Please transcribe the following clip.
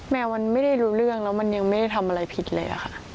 แมวมันไม่ได้รู้เรื่องแล้วมันยังไม่ได้ทำอะไรผิดเลยค่ะ